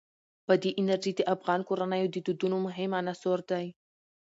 بادي انرژي د افغان کورنیو د دودونو مهم عنصر دی.